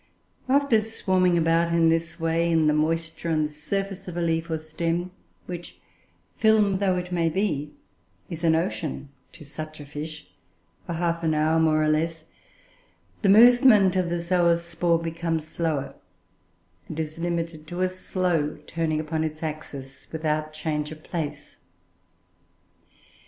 After swarming about in this way in the moisture on the surface of a leaf or stem (which, film though it may be, is an ocean to such a fish) for half an hour, more or less, the movement of the zoospore becomes slower, and is limited to a slow turning upon its axis, without change of place.